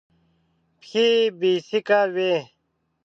پښې يې بېسېکه وې.